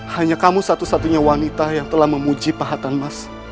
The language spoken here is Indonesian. hanya kamu satu satunya wanita yang telah memuji pahatan mas